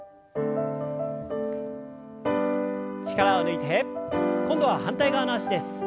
力を抜いて今度は反対側の脚です。